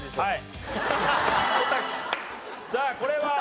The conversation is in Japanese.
はい。